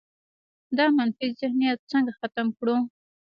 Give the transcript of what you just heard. دا منفي ذهنیت څنګه ختم کړو؟